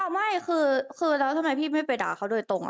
อ้าวไม่คือคือแล้วทำไมพี่ไม่ไปด่าเค้าด้วยตรง